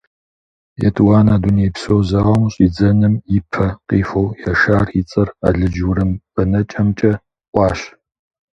ЕтӀуанэ дунейпсо зауэм щӀидзэным и пэ къихуэу Яшар и цӀэр алыдж-урым бэнэкӀэмкӀэ Ӏуащ.